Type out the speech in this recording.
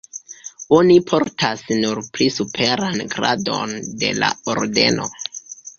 Oni portas nur pli superan gradon de la ordeno.